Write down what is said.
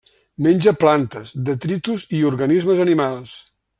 Menja plantes, detritus i organismes animals.